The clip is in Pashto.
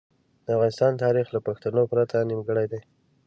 د افغانستان تاریخ له پښتنو پرته نیمګړی دی.